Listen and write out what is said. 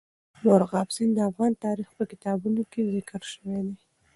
مورغاب سیند د افغان تاریخ په کتابونو کې ذکر شوی دي.